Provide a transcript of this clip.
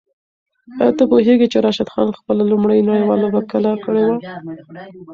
آیا ته پوهېږې چې راشد خان خپله لومړۍ نړیواله لوبه کله کړې وه؟